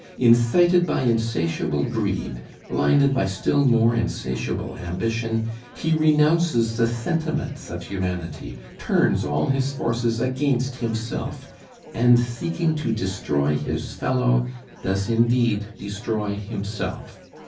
Incited by insatiable greed, blinded by still more insatiable ambition, he renounces the sentiments of humanity, turns all his forces against himself, and seeking to destroy his fellow, does indeed destroy himself.